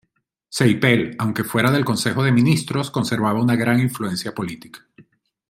Seipel, aunque fuera del Consejo de Ministros, conservaba una gran influencia política.